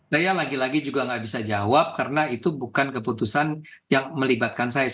saya lagi lagi juga nggak bisa jawab karena itu bukan keputusan yang melibatkan saya